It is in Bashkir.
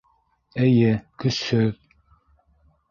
Эйе, көсһөҙ.